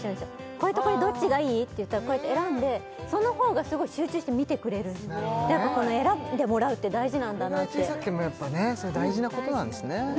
これとこれどっちがいい？って言ったら選んでそのほうがすごい集中して見てくれるやっぱ選んでもらうって大事なんだなってこれぐらい小さくてもやっぱねそれ大事なことなんですね